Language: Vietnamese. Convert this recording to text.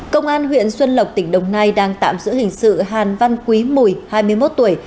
công an huyện xuân lộc tỉnh đồng nai đang tạm giữ hình sự hàn văn quý mùi hai mươi một tuổi